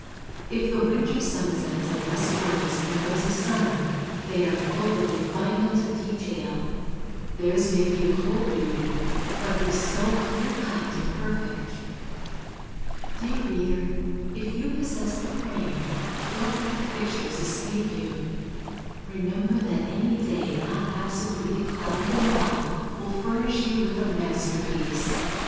If the winter sunsets are less gorgeous than those of summer, they are full of refinement of detail. Theirs may be a cold beauty, but it is so clear cut and perfect. Dear reader, if you possess the frame, don't let the pictures escape you. Remember that any day not absolutely cloudy and dull, will furnish you with a masterpiece.